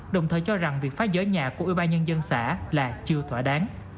đồng thời cho rằng việc phá giới nhà của ủy ba nhân dân xã là chưa thỏa đáng